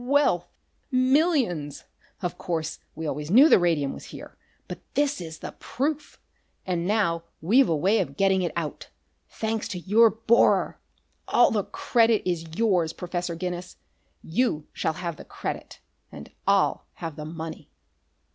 "Wealth! Millions! Of course we always knew the radium was here, but this is the proof. And now we've a way of getting it out thanks to your borer! All the credit is yours, Professor Guinness! You shall have the credit, and I'll have the money."